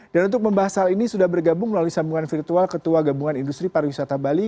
dan untuk membahas hal ini sudah bergabung melalui sambungan virtual ketua gabungan industri pariwisata bali